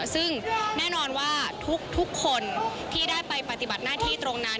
ซึ่งแน่นอนว่าทุกคนที่ได้ไปปฏิบัติหน้าที่ตรงนั้น